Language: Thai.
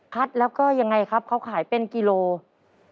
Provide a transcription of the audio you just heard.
แล้วก็ยังไงครับเขาขายเป็นกิโลกรัม